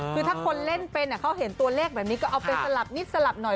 คือถ้าคนเล่นเป็นเขาเห็นตัวเลขแบบนี้ก็เอาไปสลับนิดสลับหน่อย